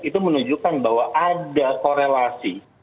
itu menunjukkan bahwa ada korelasi